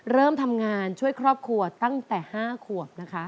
เริ่มทำงานช่วยครอบครัวตั้งแต่๕ขวบนะคะ